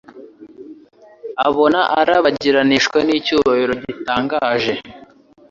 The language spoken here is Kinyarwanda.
abona urabagiranishwa n'icyubahiro gitangaje.